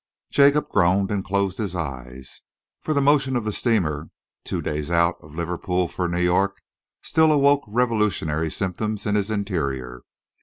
Jacob groaned and closed his eyes, for the motion of the steamer, two days out of Liverpool for New York, still awoke revolutionary symptoms in his interior.